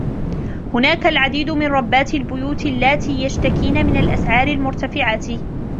هناك العديد من ربات البيوت اللاتي يشتكين من الأسعار المرتفعة.